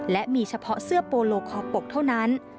และมีเฉพาะเสื้อโปโลคอปกเท่านั้น